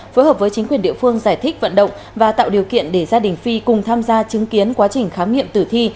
phối hợp với chính quyền địa phương giải thích vận động và tạo điều kiện để gia đình phi cùng tham gia chứng kiến quá trình khám nghiệm tử thi